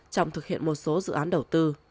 trong thực hiện một số dự án đầu tư